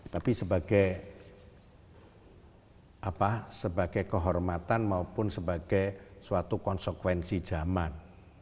tapi sebagai kehormatan maupun sebagai suatu konsekuensi zaman